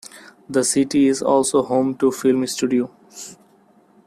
The city is also home to film studios.